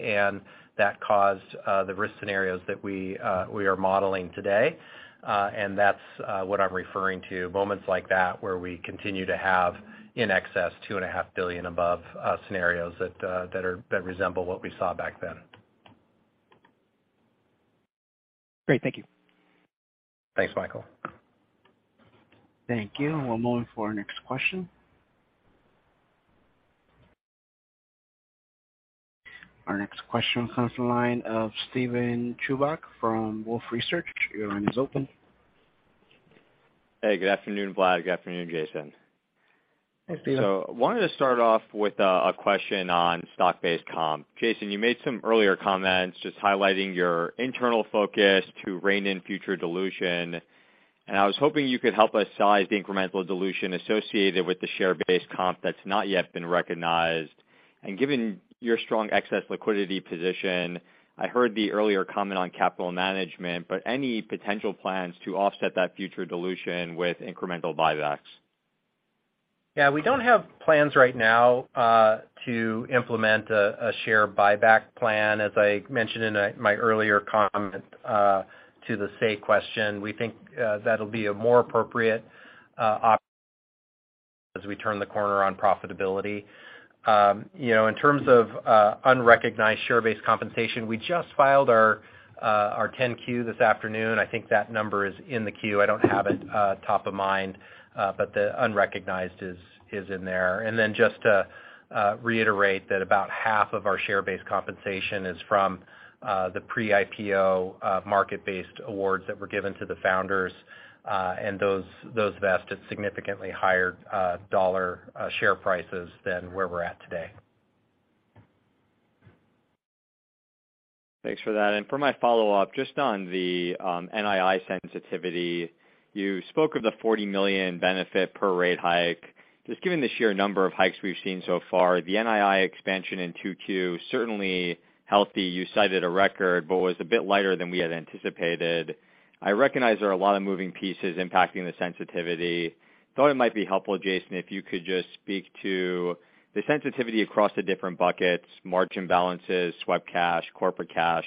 and that caused the risk scenarios that we are modeling today. That's what I'm referring to, moments like that where we continue to have in excess $2.5 billion above scenarios that resemble what we saw back then. Great. Thank you. Thanks, Michael. Thank you. We'll move to our next question. Our next question comes from the line of Steven Chubak from Wolfe Research. Your line is open. Hey, good afternoon, Vlad. Good afternoon, Jason. Hi, Steven. Wanted to start off with a question on stock-based comp. Jason, you made some earlier comments just highlighting your internal focus to rein in future dilution, and I was hoping you could help us size the incremental dilution associated with the share-based comp that's not yet been recognized. Given your strong excess liquidity position, I heard the earlier comment on capital management, but any potential plans to offset that future dilution with incremental buybacks? Yeah, we don't have plans right now to implement a share buyback plan. As I mentioned in my earlier comment to the Say question, we think that'll be a more appropriate option as we turn the corner on profitability. You know, in terms of unrecognized share-based compensation, we just filed our 10-Q this afternoon. I think that number is in the 10-Q. I don't have it top of mind, but the unrecognized is in there. Just to reiterate that about half of our share-based compensation is from the pre-IPO market-based awards that were given to the founders, and those vest at significantly higher dollar share prices than where we're at today. Thanks for that. For my follow-up, just on the NII sensitivity, you spoke of the $40 million benefit per rate hike. Just given the sheer number of hikes we've seen so far, the NII expansion in 2Q certainly healthy. You cited a record, but was a bit lighter than we had anticipated. I recognize there are a lot of moving pieces impacting the sensitivity. Thought it might be helpful, Jason, if you could just speak to the sensitivity across the different buckets, margin balances, swept cash, corporate cash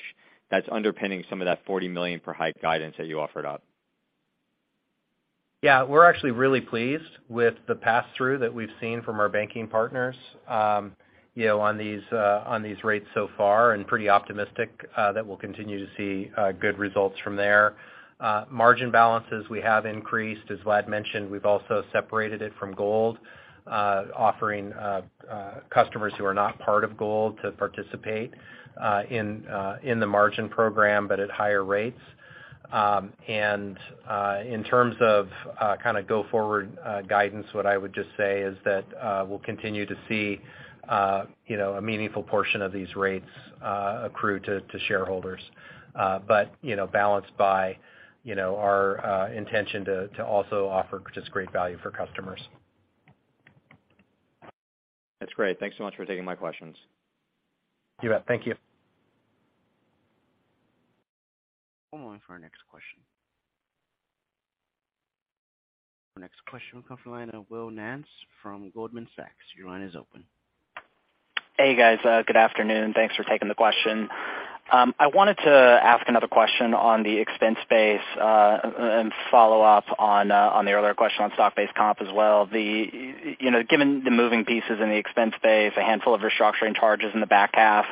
that's underpinning some of that $40 million per hike guidance that you offered up. Yeah, we're actually really pleased with the pass-through that we've seen from our banking partners, you know, on these rates so far, and pretty optimistic that we'll continue to see good results from there. Margin balances we have increased. As Vlad mentioned, we've also separated it from Gold, offering customers who are not part of Gold to participate in the margin program, but at higher rates. In terms of kind of go forward guidance, what I would just say is that we'll continue to see, you know, a meaningful portion of these rates accrue to shareholders. Balanced by, you know, our intention to also offer just great value for customers. That's great. Thanks so much for taking my questions. You bet. Thank you. We'll move on for our next question. Our next question will come from the line of Will Nance from Goldman Sachs. Your line is open. Hey, guys. Good afternoon. Thanks for taking the question. I wanted to ask another question on the expense base, and follow up on the earlier question on stock-based comp as well. You know, given the moving pieces in the expense base, a handful of restructuring charges in the back half,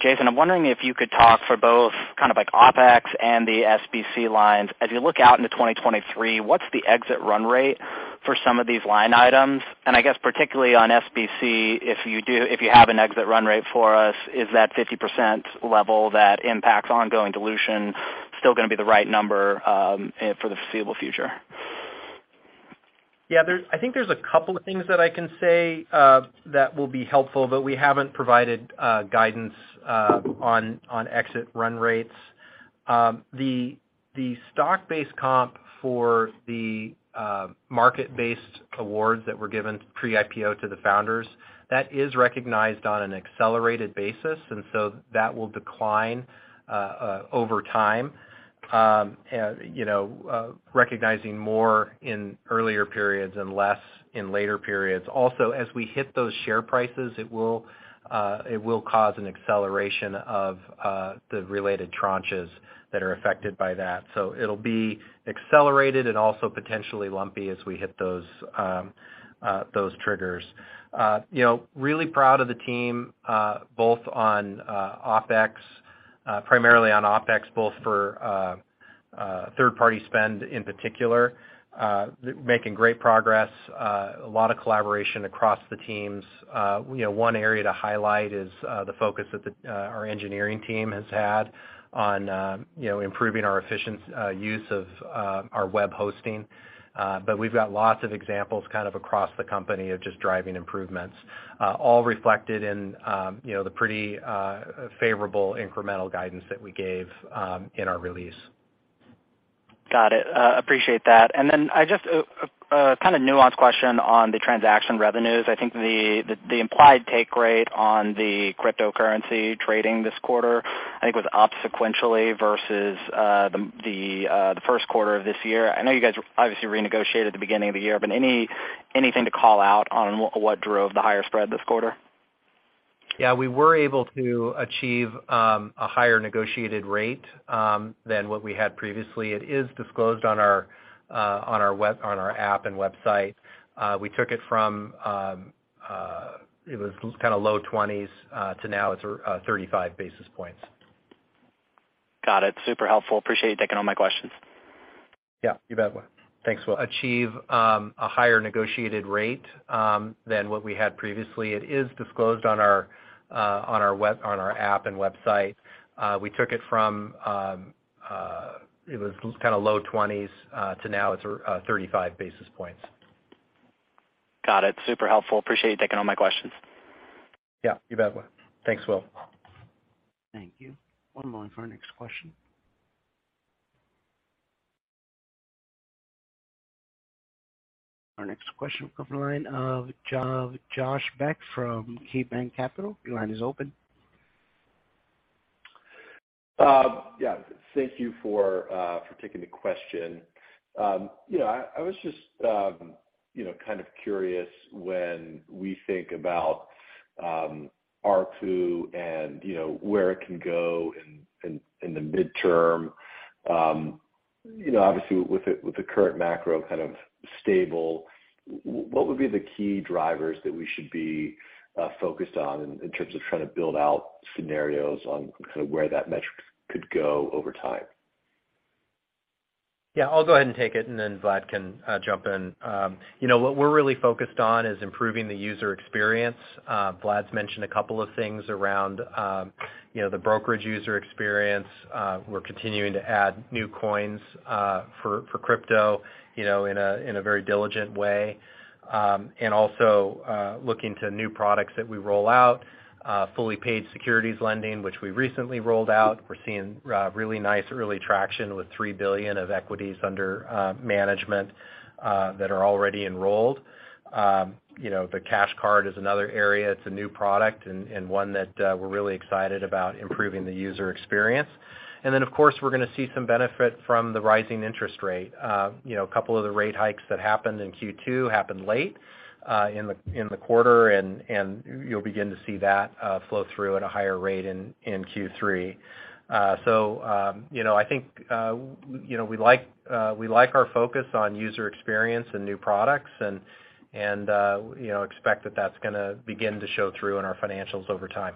Jason, I'm wondering if you could talk for both kind of like OpEx and the SBC lines. As you look out into 2023, what's the exit run rate for some of these line items? And I guess particularly on SBC, if you have an exit run rate for us, is that 50% level that impacts ongoing dilution still gonna be the right number for the foreseeable future? Yeah, I think there's a couple of things that I can say that will be helpful, but we haven't provided guidance on exit run rates. The stock-based comp for the market-based awards that were given pre-IPO to the founders, that is recognized on an accelerated basis, and so that will decline over time, you know, recognizing more in earlier periods and less in later periods. Also, as we hit those share prices, it will cause an acceleration of the related tranches that are affected by that. It'll be accelerated and also potentially lumpy as we hit those triggers. You know, really proud of the team both on OpEx, primarily on OpEx, both for third-party spend in particular, making great progress, a lot of collaboration across the teams. You know, one area to highlight is the focus that our engineering team has had on you know, improving our efficient use of our web hosting. We've got lots of examples kind of across the company of just driving improvements, all reflected in you know, the pretty favorable incremental guidance that we gave in our release. Got it. Appreciate that. I just, a kinda nuanced question on the transaction revenues. I think the implied take rate on the cryptocurrency trading this quarter was up sequentially versus the first quarter of this year. I know you guys obviously renegotiated at the beginning of the year, but anything to call out on what drove the higher spread this quarter? Yeah, we were able to achieve a higher negotiated rate than what we had previously. It is disclosed on our app and website. We took it from kind of low 20s to now it's 35 basis points. Got it. Super helpful. Appreciate you taking all my questions. Yeah, you bet, Will. Thanks, Will. Achieve a higher negotiated rate than what we had previously. It is disclosed on our app and website. We took it from it was kind of low 20s to now it's 35 basis points. Got it. Super helpful. Appreciate you taking all my questions. Yeah, you bet, Will. Thanks, Will. Thank you. One moment for our next question. Our next question will come from the line of Josh Beck from KeyBanc Capital. Your line is open. Yeah, thank you for taking the question. You know, I was just you know, kind of curious when we think about ARPU and, you know, where it can go in the midterm, you know, obviously with the current macro kind of stable, what would be the key drivers that we should be focused on in terms of trying to build out scenarios on kind of where that metric could go over time? Yeah, I'll go ahead and take it, and then Vlad can jump in. You know, what we're really focused on is improving the user experience. Vlad's mentioned a couple of things around, you know, the brokerage user experience. We're continuing to add new coins for crypto, you know, in a very diligent way. We're also looking to new products that we roll out, fully paid securities lending, which we recently rolled out. We're seeing really nice early traction with $3 billion of equities under management that are already enrolled. You know, the Cash Card is another area. It's a new product and one that we're really excited about improving the user experience. Of course, we're gonna see some benefit from the rising interest rate. You know, a couple of the rate hikes that happened in Q2 happened late in the quarter, and you'll begin to see that flow through at a higher rate in Q3. You know, I think, you know, we like our focus on user experience and new products and, you know, expect that that's gonna begin to show through in our financials over time.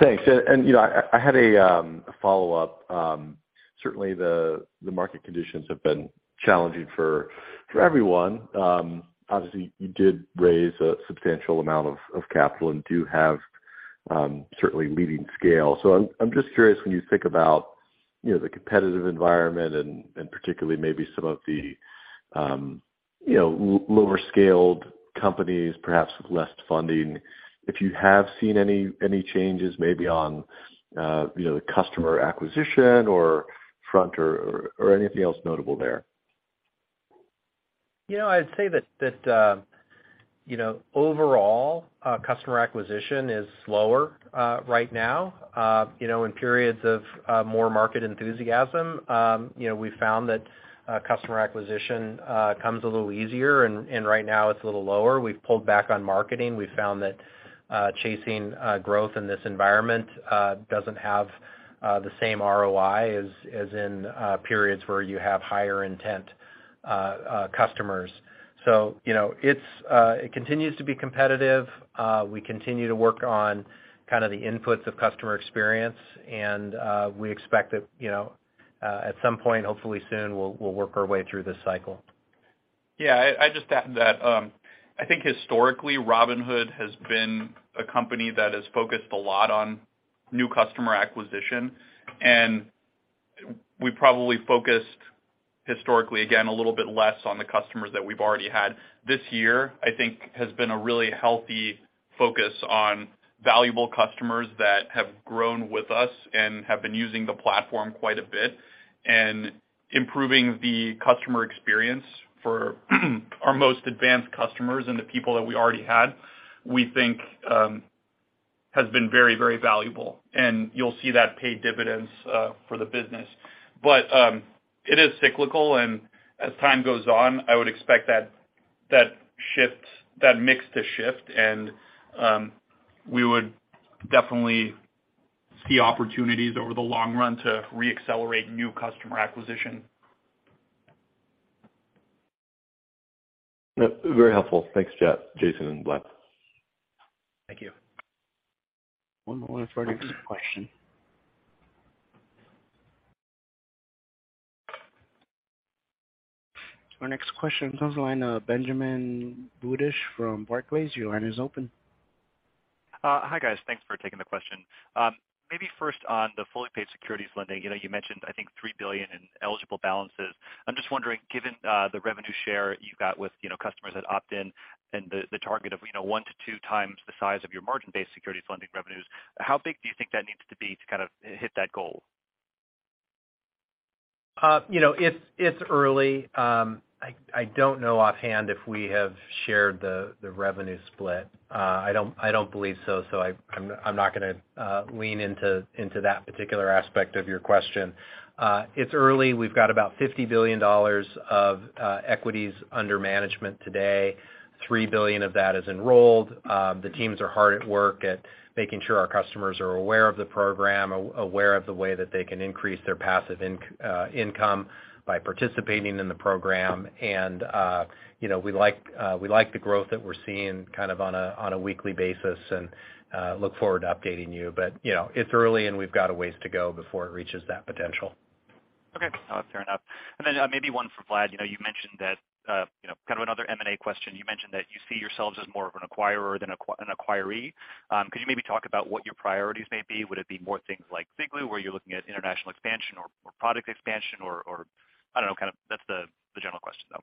Thanks. I had a follow-up. Certainly the market conditions have been challenging for everyone. Obviously, you did raise a substantial amount of capital and do have certainly leading scale. I'm just curious when you think about, you know, the competitive environment and particularly maybe some of the, you know, lower scaled companies, perhaps with less funding, if you have seen any changes maybe on, you know, the customer acquisition front or anything else notable there. You know, I'd say that you know, overall, customer acquisition is slower right now. You know, in periods of more market enthusiasm, you know, we found that customer acquisition comes a little easier and right now it's a little lower. We've pulled back on marketing. We found that chasing growth in this environment doesn't have the same ROI as in periods where you have higher intent customers. You know, it continues to be competitive. We continue to work on kind of the inputs of customer experience, and we expect that you know, at some point, hopefully soon, we'll work our way through this cycle. Yeah, I just add that, I think historically, Robinhood has been a company that has focused a lot on new customer acquisition, and we probably focused historically, again, a little bit less on the customers that we've already had. This year, I think, has been a really healthy focus on valuable customers that have grown with us and have been using the platform quite a bit and improving the customer experience for our most advanced customers and the people that we already had, we think, has been very, very valuable. You'll see that pay dividends for the business. It is cyclical, and as time goes on, I would expect that shift, that mix to shift and we would definitely see opportunities over the long run to re-accelerate new customer acquisition. Very helpful. Thanks, Jason and Vlad. Thank you. One moment for our next question. Our next question comes from the line of Benjamin Budish from Barclays. Your line is open. Hi, guys. Thanks for taking the question. Maybe first on the fully paid securities lending. You know, you mentioned, I think, $3 billion in eligible balances. I'm just wondering, given the revenue share you got with, you know, customers that opt in and the target of, you know, 1x-2x the size of your margin-based securities lending revenues, how big do you think that needs to be to kind of hit that goal? You know, it's early. I don't know offhand if we have shared the revenue split. I don't believe so I'm not gonna lean into that particular aspect of your question. It's early. We've got about $50 billion of equities under management today. $3 billion of that is enrolled. The teams are hard at work making sure our customers are aware of the program, aware of the way that they can increase their passive income by participating in the program. You know, we like the growth that we're seeing kind of on a weekly basis and look forward to updating you. You know, it's early, and we've got a ways to go before it reaches that potential. Okay. Fair enough. Maybe one for Vlad. You know, you mentioned that, you know, kind of another M&A question. You mentioned that you see yourselves as more of an acquirer than an acquiree. Could you maybe talk about what your priorities may be? Would it be more things like Ziglu, where you're looking at international expansion or product expansion or I don't know, kind of that's the general question, though.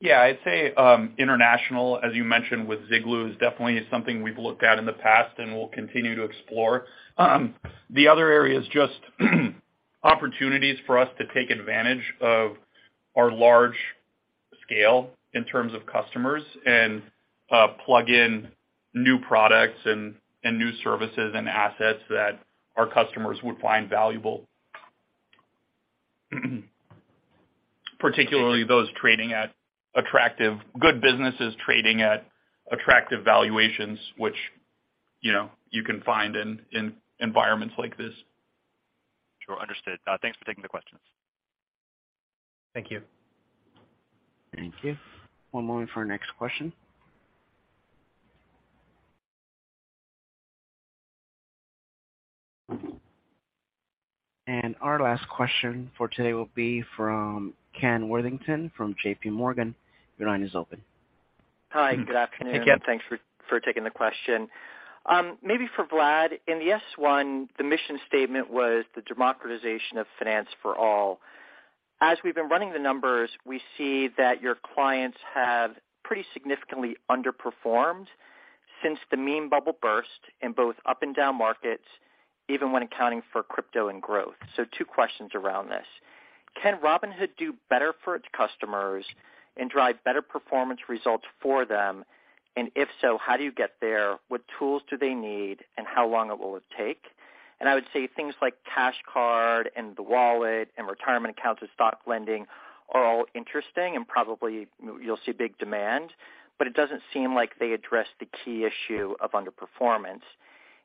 Yeah. I'd say, international, as you mentioned with Ziglu, is definitely something we've looked at in the past and we'll continue to explore. The other area is just opportunities for us to take advantage of our large scale in terms of customers and plug in new products and new services and assets that our customers would find valuable. Particularly good businesses trading at attractive valuations, which, you know, you can find in environments like this. Sure. Understood. Thanks for taking the questions. Thank you. Thank you. One moment for our next question. Our last question for today will be from Ken Worthington from JPMorgan. Your line is open. Hi. Good afternoon. Hey, Ken. Thanks for taking the question. Maybe for Vlad. In the S-1, the mission statement was the democratization of finance for all. As we've been running the numbers, we see that your clients have pretty significantly underperformed since the meme bubble burst in both up and down markets, even when accounting for crypto and growth. Two questions around this: Can Robinhood do better for its customers and drive better performance results for them? And if so, how do you get there? What tools do they need, and how long will it take? I would say things like cash card and the wallet and retirement accounts and stock lending are all interesting and probably you'll see big demand, but it doesn't seem like they address the key issue of underperformance.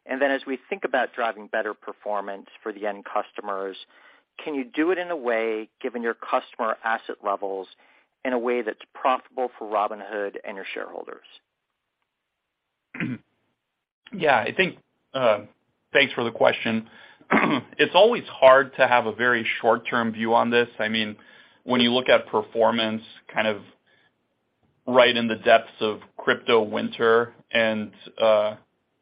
As we think about driving better performance for the end customers, can you do it in a way, given your customer asset levels, in a way that's profitable for Robinhood and your shareholders? Yeah, I think, thanks for the question. It's always hard to have a very short-term view on this. I mean, when you look at performance kind of right in the depths of crypto winter and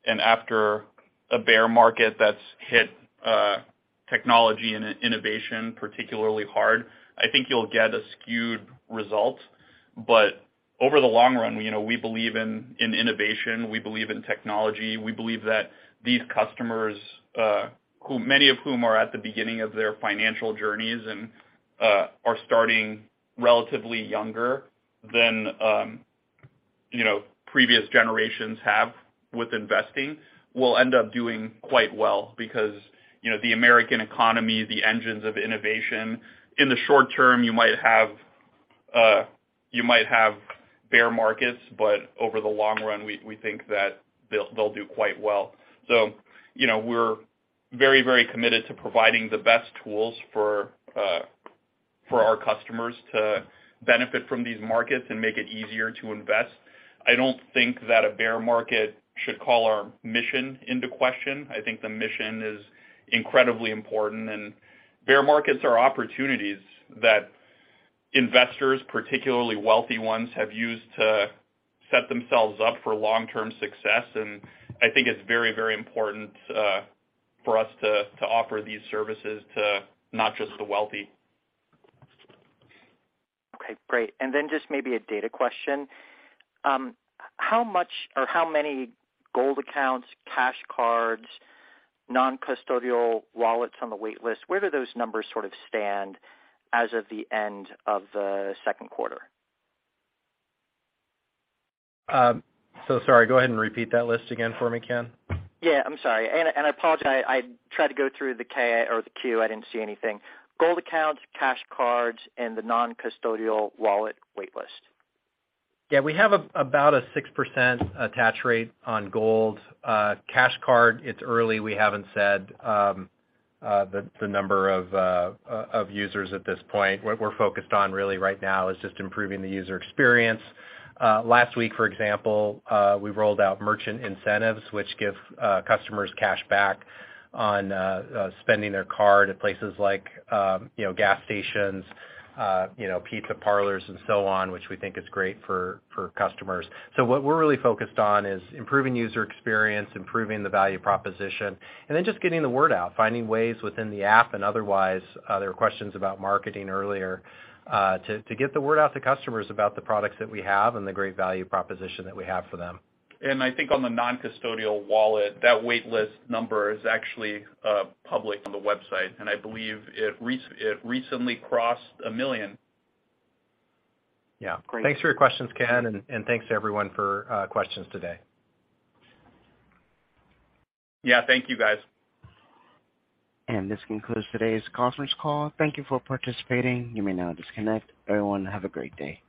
after a bear market that's hit technology and innovation particularly hard, I think you'll get a skewed result. Over the long run, you know, we believe in innovation, we believe in technology. We believe that these customers, many of whom are at the beginning of their financial journeys and are starting relatively younger than you know, previous generations have with investing, will end up doing quite well because, you know, the American economy, the engines of innovation, in the short term, you might have bear markets, but over the long run, we think that they'll do quite well. You know, we're very, very committed to providing the best tools for our customers to benefit from these markets and make it easier to invest. I don't think that a bear market should call our mission into question. I think the mission is incredibly important. Bear markets are opportunities that investors, particularly wealthy ones, have used to set themselves up for long-term success. I think it's very, very important for us to offer these services to not just the wealthy. Okay, great. Just maybe a data question. How much or how many Gold accounts, cash cards, non-custodial wallets on the wait list, where do those numbers sort of stand as of the end of the second quarter? Sorry, go ahead and repeat that list again for me, Ken. Yeah, I'm sorry. I apologize. I tried to go through the 10-K or the 10-Q, I didn't see anything. Gold accounts, cash cards, and the non-custodial wallet wait list. Yeah, we have about a 6% attach rate on Gold. Cash Card, it's early, we haven't said the number of users at this point. What we're focused on really right now is just improving the user experience. Last week, for example, we rolled out merchant incentives, which give customers cashback on spending their card at places like, you know, gas stations, you know, pizza parlors and so on, which we think is great for customers. What we're really focused on is improving user experience, improving the value proposition, and then just getting the word out, finding ways within the app and otherwise, there were questions about marketing earlier, to get the word out to customers about the products that we have and the great value proposition that we have for them. I think on the non-custodial wallet, that wait list number is actually public on the website, and I believe it recently crossed 1 million. Yeah. Great. Thanks for your questions, Ken, and thanks everyone for questions today. Yeah, thank you, guys. This concludes today's conference call. Thank you for participating. You may now disconnect. Everyone, have a great day.